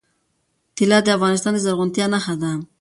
طلا د افغانستان د زرغونتیا نښه ده.